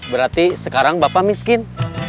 berarti sekarang bapak miskin